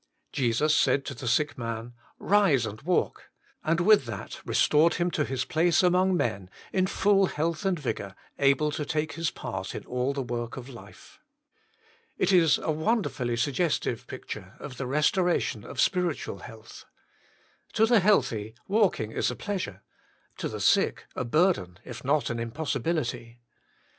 Jesus said to the sick man, Eise and walk, and with that restored him to his place among men in full health and vigour, able to take his part in all the work of life. It is a wonderfully suggestive picture of the restoration of spiritual health. To the healthy, walking is a pleasure ; to the sick, a burden, if not an impossibility.